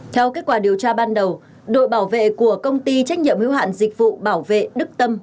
theo kết quả điều tra ban đầu đội bảo vệ của công ty trách nhiệm hiếu hạn dịch vụ bảo vệ đức tâm